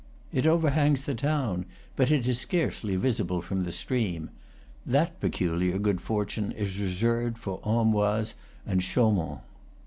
It overhangs the town, but it is scarcely visible from the stream. That peculiar good fortune is reserved for Amboise and Chaurnont.